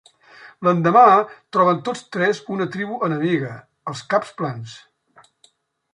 L'endemà, troben tots tres una tribu enemiga, els Caps plans.